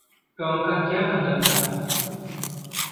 Tom का क्या मतलब था?